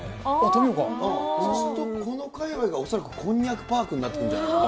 そうするとこのかいわいが恐らくこんにゃくパークになってくるんじゃないかな。